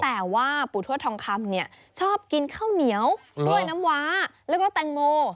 แต่ว่าปู่ทวดทองคำเนี่ยชอบกินข้าวเหนียวด้วยน้ำว้าแล้วก็แตงโม